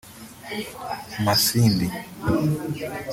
Masindi